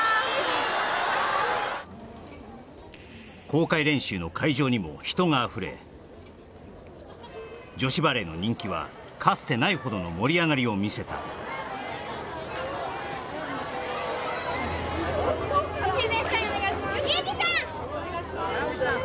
公開練習の会場にも人があふれ女子バレーの人気はかつてないほどの盛り上がりをみせた石井選手サイン